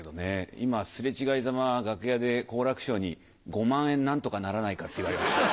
今擦れ違いざま楽屋で好楽師匠に「５万円何とかならないか」って言われました。